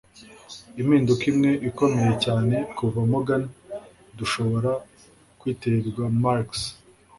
Impinduka imwe ikomeye cyane kuva Morgan dushobora kwitirirwa Marx